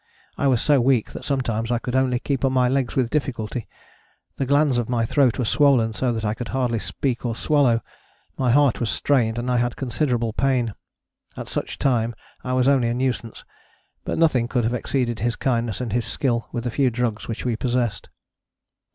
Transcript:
I was so weak that sometimes I could only keep on my legs with difficulty: the glands of my throat were swollen so that I could hardly speak or swallow: my heart was strained and I had considerable pain. At such a time I was only a nuisance, but nothing could have exceeded his kindness and his skill with the few drugs which we possessed.